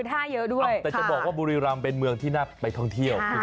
แต่จะบอกว่าบุรีรำเป็นเมืองที่น่าไปท่องเที่ยว